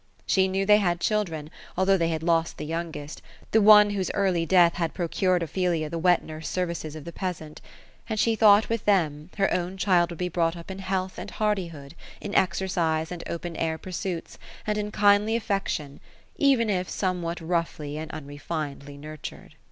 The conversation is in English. She knew they had children, — although the J bad lost the youngest, the one whose early death had pro* cured Ophelia dthe wet nurse services of the peasant, — and she thought with them, her own child would be brought np in health and hardihood, in exercise and open air pursuits, and in kindly affection, even if some what roughly and unrefinedly nurtured.